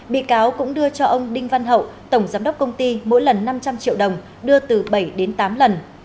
bị cáo cũng đưa cho ông đinh văn hậu tổng giám đốc công ty mỗi lần năm trăm linh triệu đồng đưa từ bảy đến tám lần